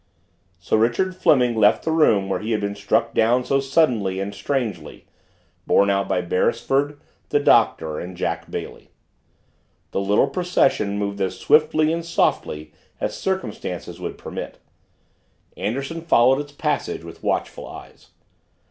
So Richard Fleming left the room where he had been struck down so suddenly and strangely borne out by Beresford, the Doctor, and Jack Bailey. The little procession moved as swiftly and softly as circumstances would permit Anderson followed its passage with watchful eyes.